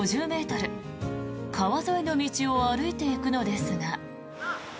川沿いの道を歩いていくのですが。